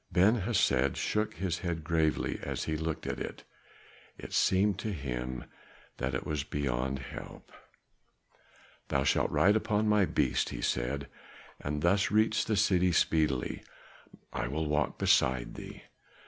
Ben Hesed shook his head gravely as he looked at it; it seemed to him that it was beyond help. "Thou shalt ride upon my beast," he said, "and thus reach the city speedily. I will walk beside thee."